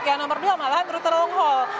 yang nomor dua malahan rute long haul